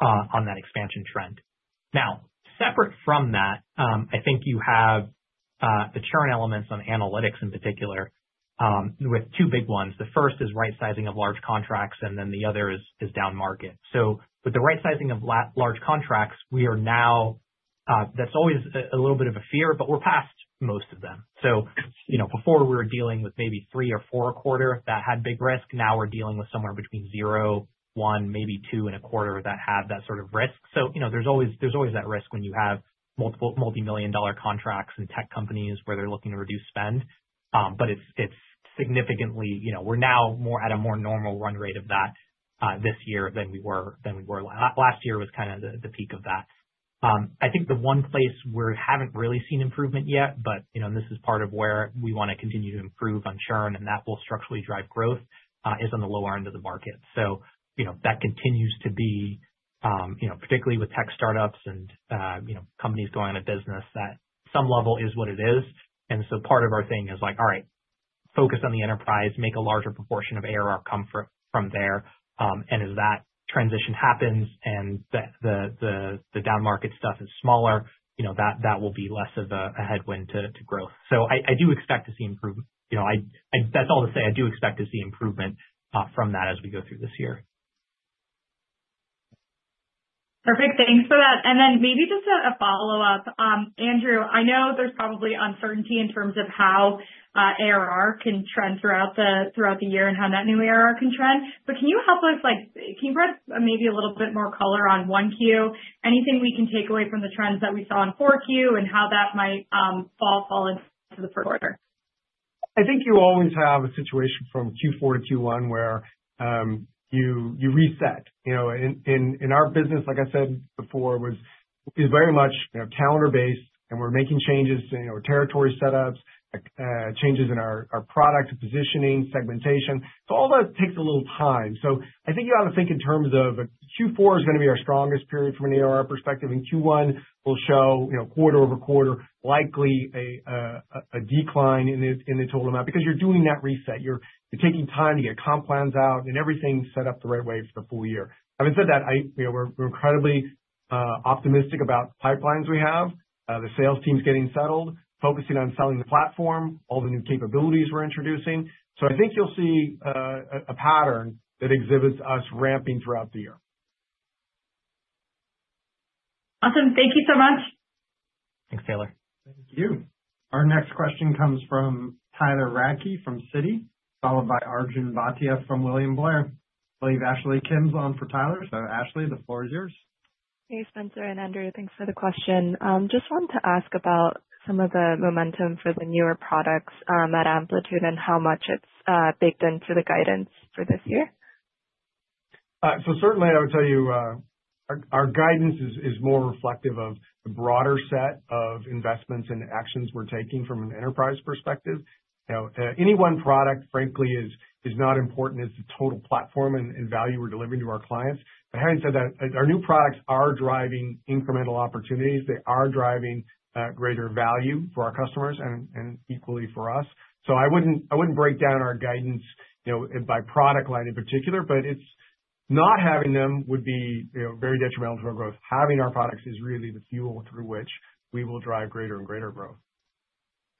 on that expansion trend. Now, separate from that, I think you have the churn elements on analytics in particular with two big ones. The first is right-sizing of large contracts, and then the other is down market. So, with the right-sizing of large contracts, we are now. That's always a little bit of a fear, but we're past most of them. So, before we were dealing with maybe three or four a quarter that had big risk, now we're dealing with somewhere between zero, one, maybe two and a quarter that had that sort of risk. So, there's always that risk when you have multi-million dollar contracts and tech companies where they're looking to reduce spend. But it's significantly. We're now at a more normal run rate of that this year than we were. Last year was kind of the peak of that. I think the one place we haven't really seen improvement yet, but this is part of where we want to continue to improve on churn and that will structurally drive growth, is on the lower end of the market. So that continues to be, particularly with tech startups and companies going out of business, that some level is what it is. And so part of our thing is like, "All right, focus on the enterprise, make a larger proportion of ARR come from there." And as that transition happens and the down market stuff is smaller, that will be less of a headwind to growth. So I do expect to see improvement. That's all to say I do expect to see improvement from that as we go through this year. Perfect. Thanks for that. And then maybe just a follow-up. Andrew, I know there's probably uncertainty in terms of how ARR can trend throughout the year and how net new ARR can trend. But can you help us put maybe a little bit more color on 1Q? Anything we can take away from the trends that we saw in Q4 and how that might fall into the quarter? I think you always have a situation from Q4 to Q1 where you reset. In our business, like I said before, it's very much calendar-based, and we're making changes to territory setups, changes in our product positioning, segmentation. So all that takes a little time. So I think you ought to think in terms of Q4 is going to be our strongest period from an ARR perspective, and Q1 will show quarter over quarter, likely a decline in the total amount because you're doing that reset. You're taking time to get comp plans out and everything set up the right way for the full year. Having said that, we're incredibly optimistic about the pipelines we have, the sales teams getting settled, focusing on selling the platform, all the new capabilities we're introducing. So I think you'll see a pattern that exhibits us ramping throughout the year. Awesome. Thank you so much. Thanks, Taylor. Thank you. Our next question comes from Tyler Radke from Citi, followed by Arjun Bhatia from William Blair. I believe Ashley Kim's on for Tyler. So Ashley, the floor is yours. Hey, Spenser and Andrew, thanks for the question. Just wanted to ask about some of the momentum for the newer products at Amplitude and how much it's baked into the guidance for this year. So certainly, I would tell you our guidance is more reflective of the broader set of investments and actions we're taking from an enterprise perspective. Any one product, frankly, is not important as the total platform and value we're delivering to our clients. But having said that, our new products are driving incremental opportunities. They are driving greater value for our customers and equally for us. So I wouldn't break down our guidance by product line in particular, but not having them would be very detrimental to our growth. Having our products is really the fuel through which we will drive greater and greater growth.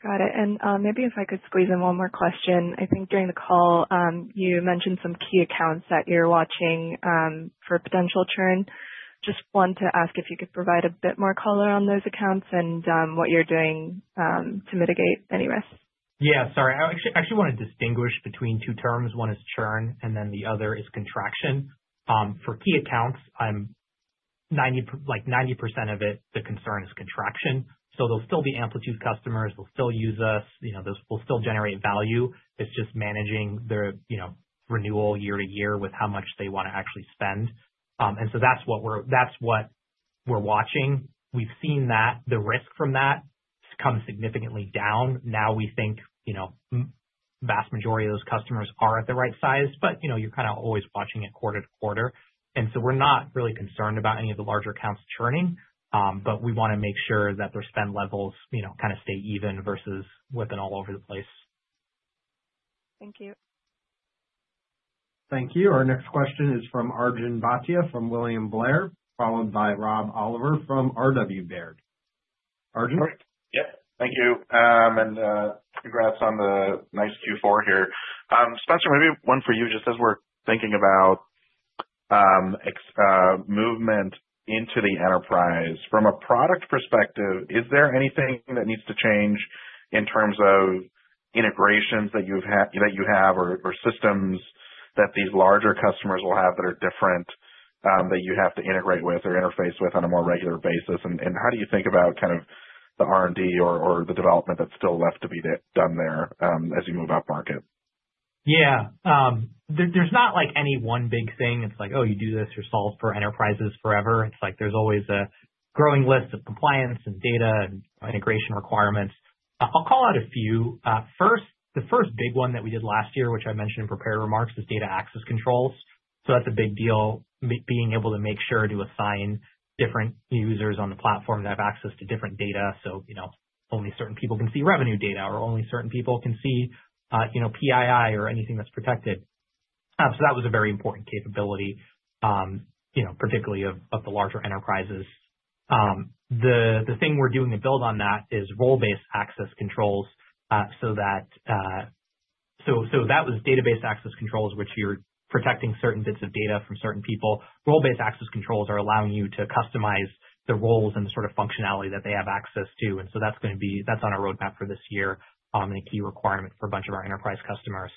Got it. And maybe if I could squeeze in one more question. I think during the call, you mentioned some key accounts that you're watching for potential churn. Just wanted to ask if you could provide a bit more color on those accounts and what you're doing to mitigate any risk. Yeah. Sorry. I actually want to distinguish between two terms. One is churn, and then the other is contraction. For key accounts, like 90% of it, the concern is contraction. So they'll still be Amplitude customers. They'll still use us. We'll still generate value. It's just managing the renewal year to year with how much they want to actually spend. And so that's what we're watching. We've seen that the risk from that has come significantly down. Now we think the vast majority of those customers are at the right size, but you're kind of always watching it quarter to quarter. And so we're not really concerned about any of the larger accounts churning, but we want to make sure that their spend levels kind of stay even versus whipping all over the place. Thank you. Thank you. Our next question is from Arjun Bhatia from William Blair, followed by Rob Oliver from RW Baird. Arjun? Yep. Thank you. And congrats on the nice Q4 here. Spenser, maybe one for you just as we're thinking about movement into the enterprise. From a product perspective, is there anything that needs to change in terms of integrations that you have or systems that these larger customers will have that are different that you have to integrate with or interface with on a more regular basis? And how do you think about kind of the R&D or the development that's still left to be done there as you move up market? Yeah. There's not any one big thing. It's like, "Oh, you do this or solve for enterprises forever." It's like there's always a growing list of compliance and data and integration requirements. I'll call out a few. The first big one that we did last year, which I mentioned in prepared remarks, is data access controls. So that's a big deal, being able to make sure to assign different users on the platform that have access to different data. So only certain people can see revenue data or only certain people can see PII or anything that's protected. So that was a very important capability, particularly of the larger enterprises. The thing we're doing to build on that is role-based access controls so that was data access controls, which you're protecting certain bits of data from certain people. Role-based access controls are allowing you to customize the roles and the sort of functionality that they have access to. And so that's going to be on our roadmap for this year and a key requirement for a bunch of our enterprise customers.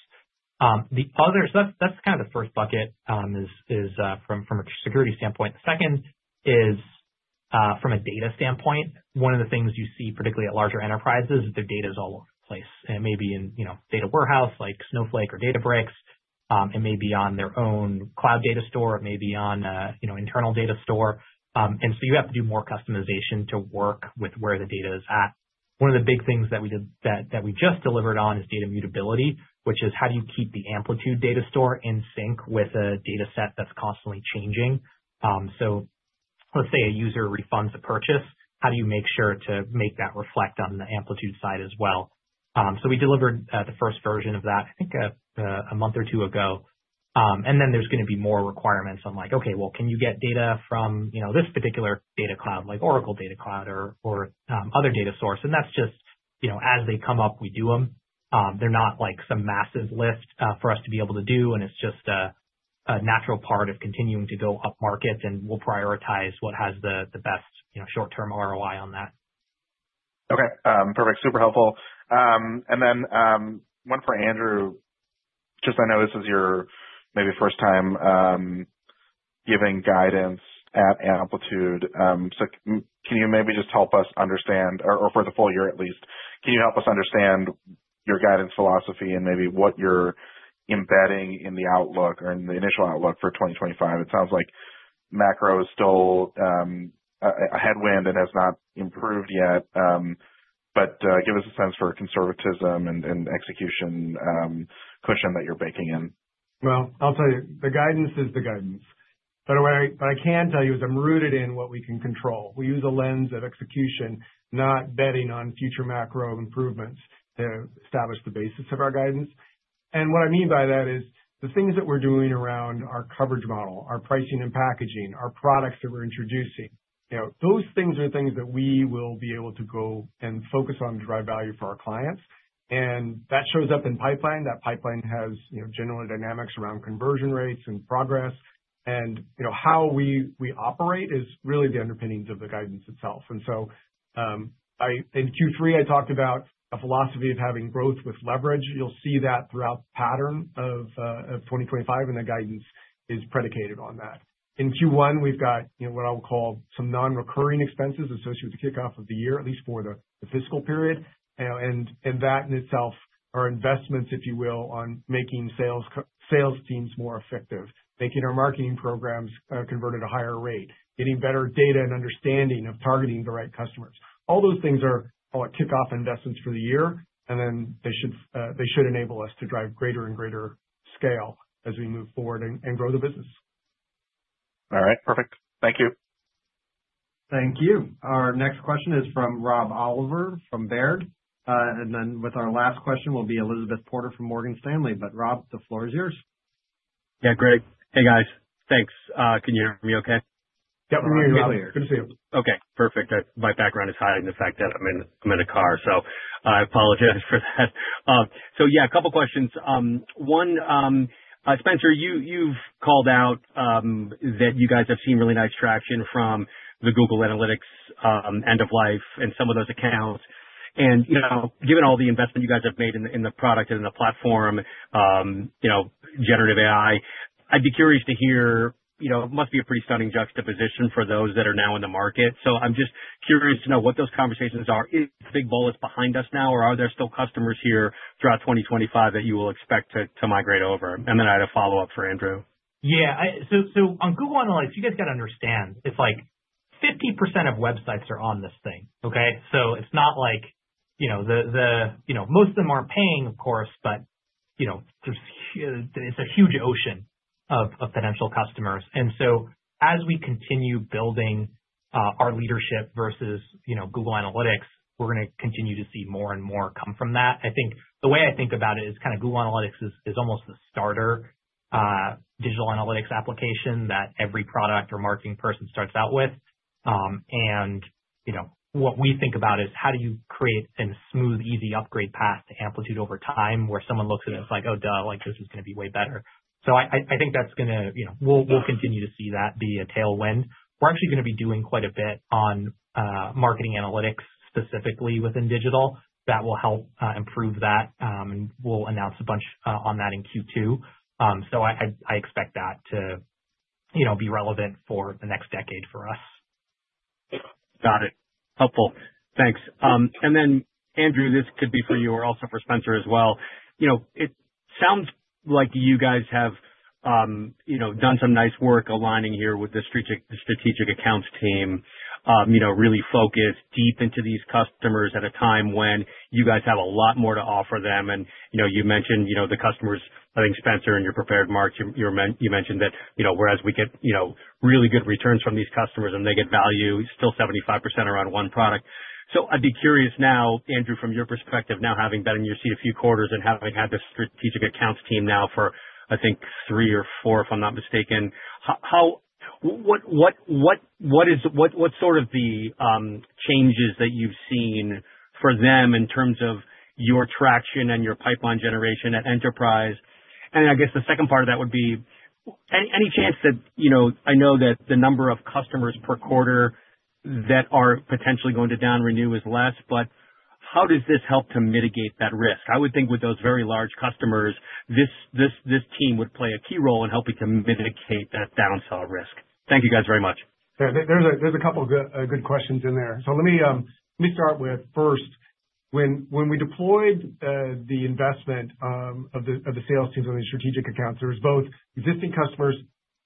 So that's kind of the first bucket from a security standpoint. The second is from a data standpoint. One of the things you see, particularly at larger enterprises, is their data is all over the place. And it may be in data warehouse like Snowflake or Databricks. It may be on their own cloud data store. It may be on an internal data store. And so you have to do more customization to work with where the data is at. One of the big things that we just delivered on is data mutability, which is how do you keep the Amplitude data store in sync with a dataset that's constantly changing. So let's say a user refunds a purchase. How do you make sure to make that reflect on the Amplitude side as well? So we delivered the first version of that, I think, a month or two ago. And then there's going to be more requirements on like, "Okay, well, can you get data from this particular data cloud like Oracle Data Cloud or other data source?" And that's just as they come up, we do them. They're not like some massive lift for us to be able to do, and it's just a natural part of continuing to go up market, and we'll prioritize what has the best short-term ROI on that. Okay. Perfect. Super helpful. And then one for Andrew. Just I know this is your maybe first time giving guidance at Amplitude. So can you maybe just help us understand, or for the full year at least, can you help us understand your guidance philosophy and maybe what you're embedding in the outlook or in the initial outlook for 2025? It sounds like macro is still a headwind and has not improved yet, but give us a sense for conservatism and execution cushion that you're baking in? Well, I'll tell you, the guidance is the guidance. But what I can tell you is I'm rooted in what we can control. We use a lens of execution, not betting on future macro improvements to establish the basis of our guidance. And what I mean by that is the things that we're doing around our coverage model, our pricing and packaging, our products that we're introducing, those things are things that we will be able to go and focus on to drive value for our clients. And that shows up in pipeline. That pipeline has general dynamics around conversion rates and progress. And how we operate is really the underpinnings of the guidance itself. And so in Q3, I talked about a philosophy of having growth with leverage. You'll see that throughout the pattern of 2025, and the guidance is predicated on that. In Q1, we've got what I would call some non-recurring expenses associated with the kickoff of the year, at least for the fiscal period. And that in itself are investments, if you will, on making sales teams more effective, making our marketing programs convert at a higher rate, getting better data and understanding of targeting the right customers. All those things are kickoff investments for the year, and then they should enable us to drive greater and greater scale as we move forward and grow the business. All right. Perfect. Thank you. Thank you. Our next question is from Rob Oliver from RW Baird. And then with our last question will be Elizabeth Porter from Morgan Stanley. But Rob, the floor is yours. Yeah, great. Hey, guys. Thanks. Can you hear me okay? Yep. We hear you well. Good to see you. Okay. Perfect. My background is hiding the fact that I'm in a car, so I apologize for that. So yeah, a couple of questions. One, Spenser, you've called out that you guys have seen really nice traction from the Google Analytics end of life and some of those accounts. And given all the investment you guys have made in the product and in the platform, generative AI, I'd be curious to hear it must be a pretty stunning juxtaposition for those that are now in the market. So I'm just curious to know what those conversations are. Is the big ball behind us now, or are there still customers here throughout 2025 that you will expect to migrate over? And then I had a follow-up for Andrew. Yeah. So on Google Analytics, you guys got to understand it's like 50% of websites are on this thing, okay? So it's not like the most of them aren't paying, of course, but it's a huge ocean of potential customers. And so as we continue building our leadership versus Google Analytics, we're going to continue to see more and more come from that. I think the way I think about it is kind of Google Analytics is almost the starter digital analytics application that every product or marketing person starts out with. And what we think about is how do you create a smooth, easy upgrade path to Amplitude over time where someone looks at it and it's like, "Oh, duh, this is going to be way better." So I think that's going to. We'll continue to see that be a tailwind. We're actually going to be doing quite a bit on marketing analytics specifically within digital that will help improve that, and we'll announce a bunch on that in Q2. So I expect that to be relevant for the next decade for us. Got it. Helpful. Thanks. And then, Andrew, this could be for you or also for Spenser as well. It sounds like you guys have done some nice work aligning here with the strategic accounts team, really focused deep into these customers at a time when you guys have a lot more to offer them. And you mentioned the customers, I think Spenser and your prepared remarks, you mentioned that whereas we get really good returns from these customers and they get value, still 75% around one product. I'd be curious now, Andrew, from your perspective, now having been in your seat a few quarters and having had the strategic accounts team now for, I think, three or four, if I'm not mistaken, what sort of the changes that you've seen for them in terms of your traction and your pipeline generation at enterprise? And I guess the second part of that would be any chance that I know that the number of customers per quarter that are potentially going to down renew is less, but how does this help to mitigate that risk? I would think with those very large customers, this team would play a key role in helping to mitigate that downfall risk. Thank you guys very much. There's a couple of good questions in there. Let me start with first. When we deployed the investment of the sales teams on the strategic accounts, there were both existing customers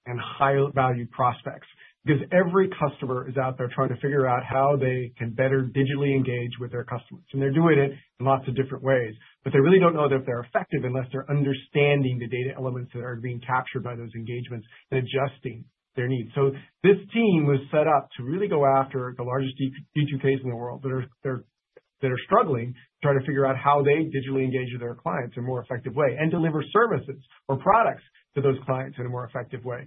and high-value prospects because every customer is out there trying to figure out how they can better digitally engage with their customers, and they're doing it in lots of different ways, but they really don't know that they're effective unless they're understanding the data elements that are being captured by those engagements and adjusting their needs, so this team was set up to really go after the largest D2Cs in the world that are struggling, trying to figure out how they digitally engage with their clients in a more effective way and deliver services or products to those clients in a more effective way.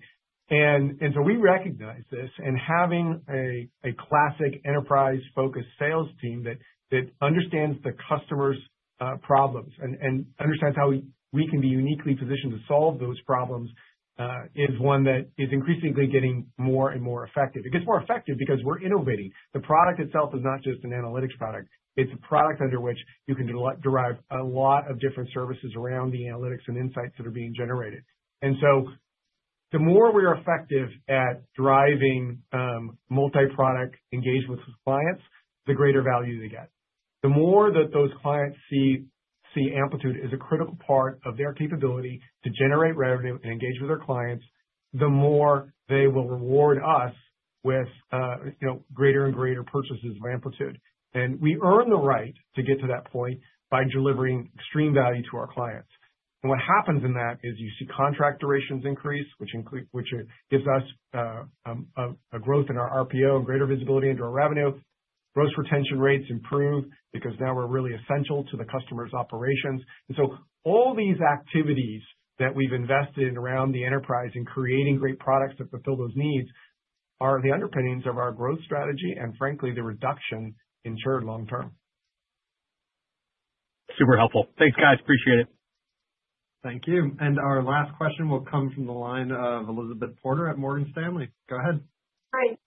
And so we recognize this, and having a classic enterprise-focused sales team that understands the customer's problems and understands how we can be uniquely positioned to solve those problems is one that is increasingly getting more and more effective. It gets more effective because we're innovating. The product itself is not just an analytics product. It's a product under which you can derive a lot of different services around the analytics and insights that are being generated. And so the more we're effective at driving multi-product engagement with clients, the greater value they get. The more that those clients see Amplitude as a critical part of their capability to generate revenue and engage with their clients, the more they will reward us with greater and greater purchases of Amplitude. And we earn the right to get to that point by delivering extreme value to our clients. And what happens in that is you see contract durations increase, which gives us a growth in our RPO and greater visibility into our revenue. Gross retention rates improve because now we're really essential to the customer's operations. And so all these activities that we've invested in around the enterprise and creating great products that fulfill those needs are the underpinnings of our growth strategy and, frankly, the reduction in churn long term. Super helpful. Thanks, guys. Appreciate it. Thank you. And our last question will come from the line of Elizabeth Porter at Morgan Stanley. Go ahead. Hi.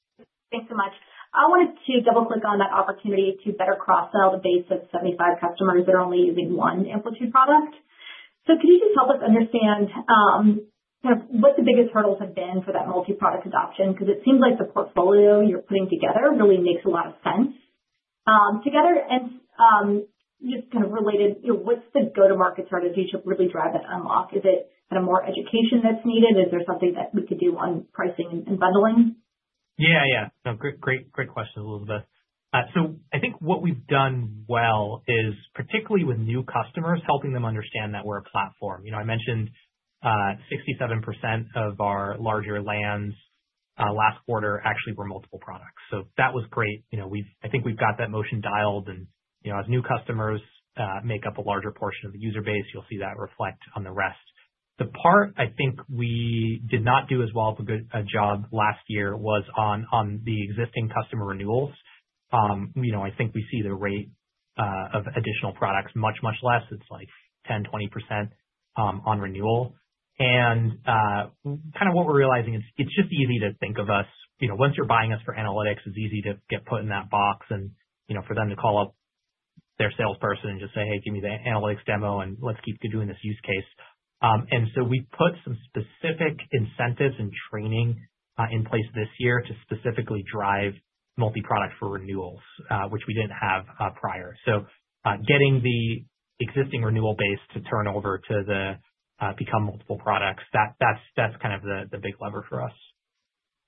Thanks so much. I wanted to double-click on that opportunity to better cross-sell the base of 75% of customers that are only using one Amplitude product. So could you just help us understand kind of what the biggest hurdles have been for that multi-product adoption? Because it seems like the portfolio you're putting together really makes a lot of sense. Together, and just kind of related, what's the go-to-market strategy to really drive that unlock? Is it kind of more education that's needed? Is there something that we could do on pricing and bundling? Yeah, yeah. No, great questions, Elizabeth. So I think what we've done well is, particularly with new customers, helping them understand that we're a platform. I mentioned 67% of our larger lands last quarter actually were multiple products. So that was great. I think we've got that motion dialed. And as new customers make up a larger portion of the user base, you'll see that reflect on the rest. The part I think we did not do as well a job last year was on the existing customer renewals. I think we see the rate of additional products much, much less. It's like 10%-20% on renewal. And kind of what we're realizing is it's just easy to think of us. Once you're buying us for analytics, it's easy to get put in that box and for them to call up their salesperson and just say, "Hey, give me the analytics demo, and let's keep doing this use case." And so we put some specific incentives and training in place this year to specifically drive multi-product for renewals, which we didn't have prior. So getting the existing renewal base to turn over to become multiple products, that's kind of the big lever for us.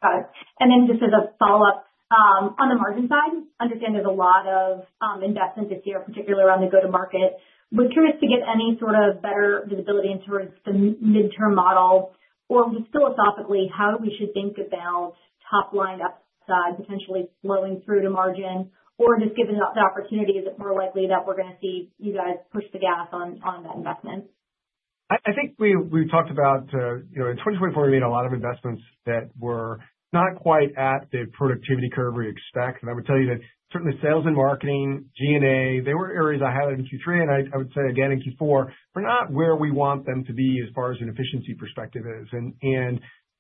Got it. And then just as a follow-up, on the margin side, understand there's a lot of investment this year, particularly around the go-to-market. We're curious to get any sort of better visibility into the midterm model, or just philosophically, how we should think about top-line upside potentially flowing through to margin, or just given the opportunity, is it more likely that we're going to see you guys push the gas on that investment? I think we talked about in 2024, we made a lot of investments that were not quite at the productivity curve we expect. And I would tell you that certainly sales and marketing, G&A, they were areas I highlighted in Q3, and I would say again in Q4, we're not where we want them to be as far as an efficiency perspective is.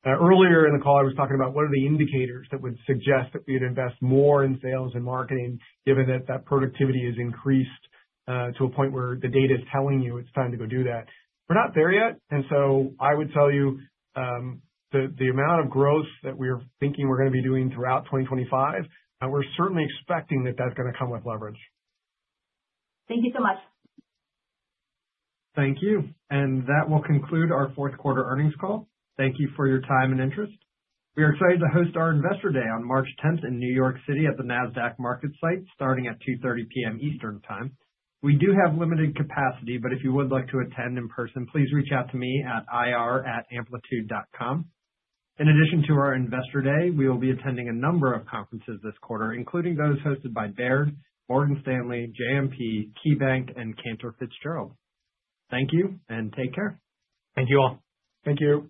Earlier in the call, I was talking about what are the indicators that would suggest that we would invest more in sales and marketing, given that that productivity has increased to a point where the data is telling you it's time to go do that. We're not there yet. And so I would tell you the amount of growth that we're thinking we're going to be doing throughout 2025, we're certainly expecting that that's going to come with leverage. Thank you so much. Thank you. And that will conclude our fourth quarter earnings call. Thank you for your time and interest. We are excited to host our Investor Day on March 10th in New York City at the Nasdaq MarketSite, starting at 2:30 P.M. Eastern Time. We do have limited capacity, but if you would like to attend in person, please reach out to me at ir@amplitude.com. In addition to our Investor Day, we will be attending a number of conferences this quarter, including those hosted by Baird, Morgan Stanley, JMP, KeyBank, and Cantor Fitzgerald. Thank you, and take care. Thank you all. Thank you.